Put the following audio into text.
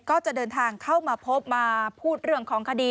ก็จะเดินทางเข้ามาพบมาพูดเรื่องของคดี